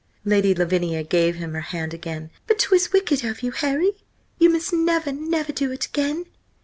Lady Lavinia gave him her hand again. "But 'twas wicked of you, Harry! You must never, never do it again!"